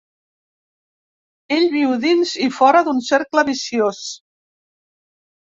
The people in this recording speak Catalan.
Ell viu dins i fora d'un cercle viciós.